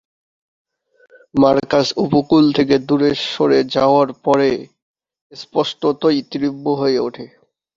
Marcus উপকূল থেকে দূরে সরে যাওয়ার পরে স্পষ্টতই তীব্র হয়ে ওঠে।